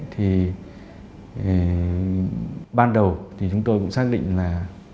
thì ban đầu thì chúng tôi cũng xác định là